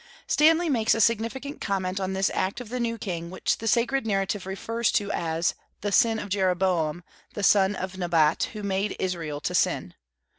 Stanley makes a significant comment on this act of the new king, which the sacred narrative refers to as "the sin of Jeroboam, the son of Nebat, who made Israel to sin."